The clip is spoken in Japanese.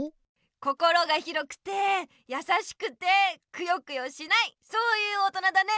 心が広くてやさしくてくよくよしないそういう大人だね。